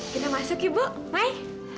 kita masuk ya bu mai